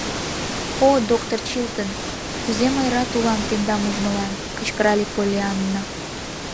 О, доктыр Чилтон, кузе мый рат улам тендам ужмылан! — кычкырале Поллианна.